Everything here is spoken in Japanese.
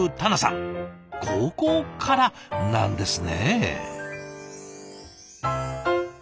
高校からなんですね。